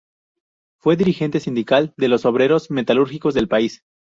Fue dirigente sindical de los obreros metalúrgicos del país.